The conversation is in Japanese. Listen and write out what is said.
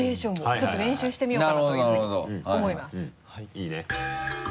いいね。